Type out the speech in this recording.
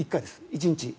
１日。